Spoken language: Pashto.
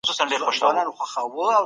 په سمه روزنه کې درواغ نه ویل کېږي.